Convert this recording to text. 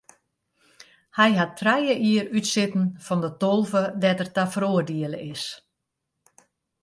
Hy hat trije jier útsitten fan de tolve dêr't er ta feroardiele is.